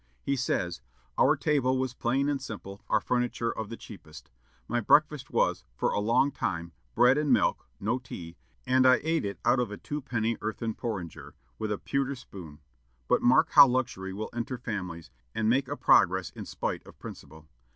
He says: "Our table was plain and simple, our furniture of the cheapest. My breakfast was, for a long time, bread and milk (no tea), and I ate it out of a twopenny earthen porringer, with a pewter spoon: but mark how luxury will enter families, and make a progress in spite of principle.